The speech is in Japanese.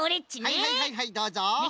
はいはいはいはいどうぞ！